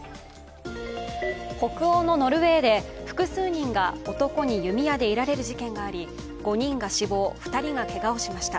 北欧のノルウェーで複数人が男に弓矢で射られる事件があり５人が死亡、２人がけがをしました。